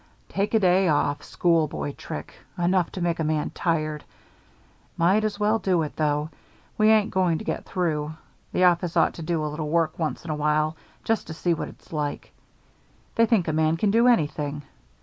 "Take a day off schoolboy trick enough to make a man tired. Might as well do it, though. We ain't going to get through. The office ought to do a little work once in a while just to see what it's like. They think a man can do anything.